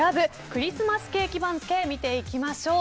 クリスマスケーキ番付を見ていきましょう。